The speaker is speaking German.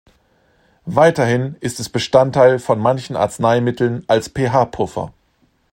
Weiterhin ist es Bestandteil von manchen Arzneimitteln als pH-Puffer.